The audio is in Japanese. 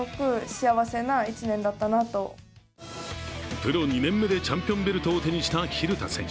プロ２年目でチャンピオンベルトを手にした晝田選手。